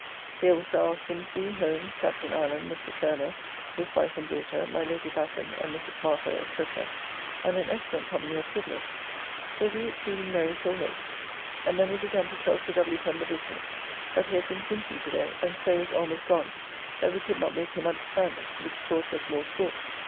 Here was Sir R. Slingsby, Holmes, Captn. Allen, Mr. Turner, his wife and daughter, my Lady Batten, and Mrs. Martha, &c., and an excellent company of fiddlers; so we exceeding merry till late; and then we begun to tell Sir W. Pen the business, but he had been drinking to day, and so is almost gone, that we could not make him understand it, which caused us more sport.